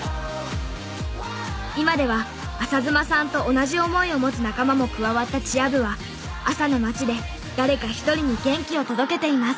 今では朝妻さんと同じ思いを持つ仲間も加わったチア部は朝の街で誰か１人に元気を届けています。